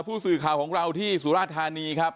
ผู้สื่อข่าวของเราที่สุราธานีครับ